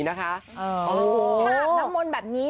อาบน้ำมนต์แบบนี้